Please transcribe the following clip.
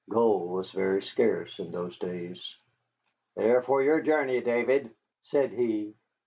Gold was very scarce in those days. "They are for your journey, David," said he.